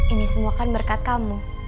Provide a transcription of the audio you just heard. ini semua kan berkat kamu